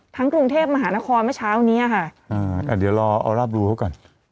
กรุงเทพมหานครเมื่อเช้านี้อ่ะค่ะอ่าอ่าเดี๋ยวรอเอารับรู้เขาก่อน